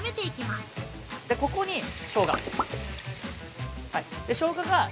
◆ここにしょうが。